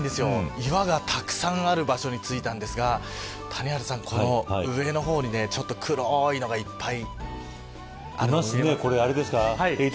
岩がたくさんある場所に着いたんですが谷原さん、この上の方に黒いのがいっぱい見えますか。